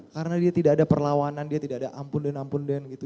karena dia tidak ada perlawanan dia tidak ada ampun dan ampun dan gitu